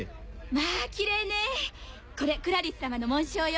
まあキレイねぇこれクラリスさまの紋章よ。